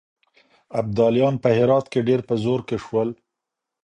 ابدالیان په هرات کې ډېر په زور کې شول.